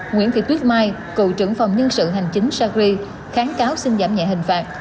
nguyễn thị tuyết mai cựu trưởng phòng nhân sự hành chính sagri kháng cáo xin giảm nhẹ hình phạt